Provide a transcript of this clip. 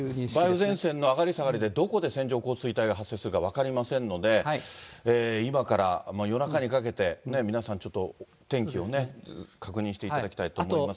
梅雨前線の上がり下がりでどこで線状降水帯が発生するか分かりませんので、今から夜中にかけて、皆さん、ちょっと天気を確認していただきたいと思います。